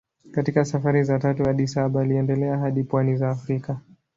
Katika safari za tatu hadi saba aliendelea hadi pwani za Afrika.